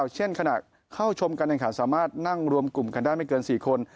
เช่นขณะเข้าชมการแข่งขันสามารถนั่งรวมกลุ่มกันได้ไม่เกิน๔คน